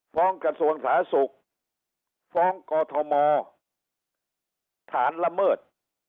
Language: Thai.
กระทรวงสาธารณสุขฟ้องกอทมฐานละเมิด